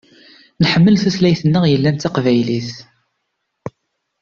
Nḥemmel tutlayt-nneɣ yellan d taqbaylit.